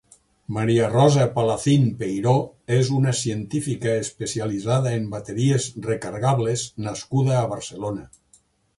Maria Rosa Palacín Peiró és una científica especialitzada en bateries recargables nascuda a Barcelona.